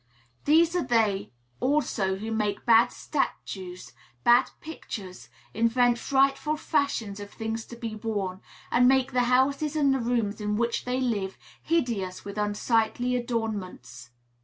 These are they also who make bad statues, bad pictures, invent frightful fashions of things to be worn, and make the houses and the rooms in which they live hideous with unsightly adornments.